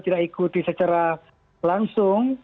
tidak ikuti secara langsung